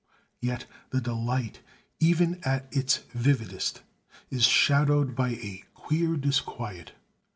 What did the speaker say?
Yet the delight, even at its vividest, is shadowed by a queer disquiet.